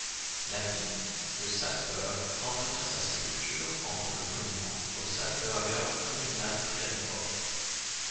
La ville de Salzbourg entretient sa sépulture en tant que monument au Salzburger Kommunalfriedhof.